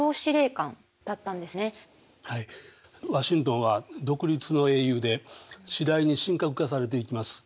ワシントンは独立の英雄で次第に神格化されていきます。